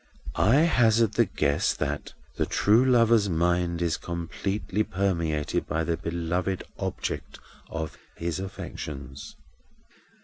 I hazard the guess that the true lover's mind is completely permeated by the beloved object of his affections.